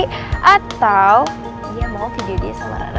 ya terserah dia sih dia mau pakai mikir buat bantuin gue sama reviewnya